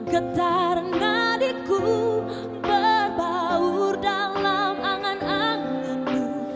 getar nadiku berbaur dalam angan anganmu